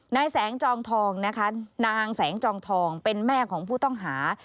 นายแสงจองทองนะคะนางแสงจองทองเป็นแม่ของผู้ต้องหา